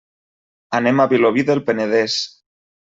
Anem a Vilobí del Penedès.